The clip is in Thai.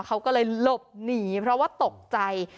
เขาก็เลยหลบหนีเพราะว่าตกใจ